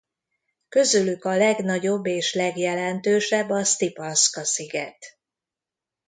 Közülük a legnagyobb és legjelentősebb a Stipanska-sziget.